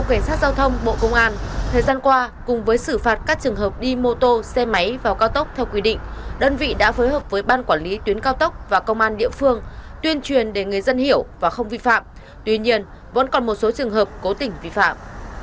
cảnh sát giao thông bộ công an thời gian qua cùng với xử phạt các trường hợp đi mô tô xe máy vào cao tốc theo quy định đơn vị đã phối hợp với ban quản lý tuyến cao tốc và công an địa phương tuyên truyền để người dân hiểu và không vi phạm tuy nhiên vẫn còn một số trường hợp cố tình vi phạm